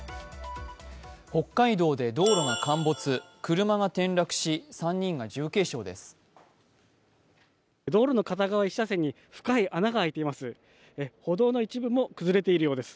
北海道で道路が陥没、車が転落し３人が重軽傷です。